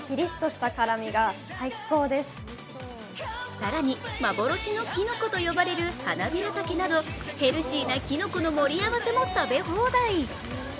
更に、幻のきのこと呼ばれる花びらたけなどヘルシーなきのこの盛り合わせも食べ放題。